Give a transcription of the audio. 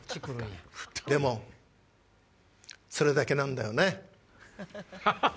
でもそれだけなんだよね。